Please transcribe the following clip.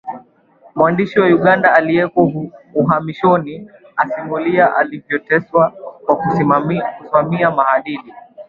Mwandishi wa Uganda aliyeko uhamishoni asimulia alivyoteswa kwa kusimamia maadili